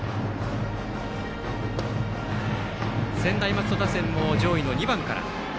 専大松戸打線も上位の２番から。